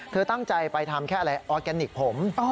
เธอตั้งใจไปทำแค่อะไรออร์แกนิคผม